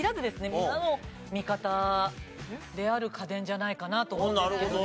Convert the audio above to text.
みんなの味方である家電じゃないかなと思うんですけどね。